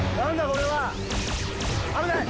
これは危ない！